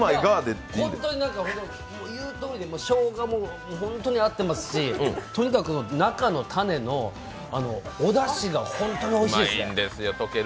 言うとおりでしょうがも本当に合ってますしとにかく中のタネの、おだしが本当においしいです。